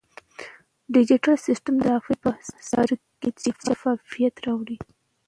ډیجیټل سیستم د صرافۍ په چارو کې شفافیت راولي.